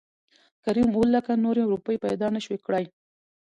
کريم اووه لکه نورې روپۍ پېدا نه شوى کړى .